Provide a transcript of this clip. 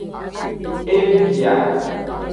E bia.